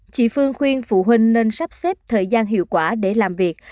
chị phương khuyên phụ huynh nên sắp xếp thời gian hiệu quả để làm việc